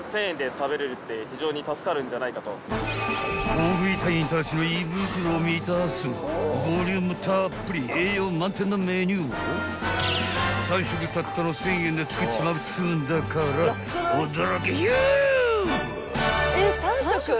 ［大食い隊員たちの胃袋を満たすボリュームたっぷり栄養満点のメニューを３食たったの１，０００円で作っちまうっつうんだから驚きひゅー！］